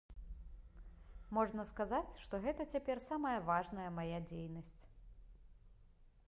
Можна сказаць, што гэта цяпер самая важная мая дзейнасць.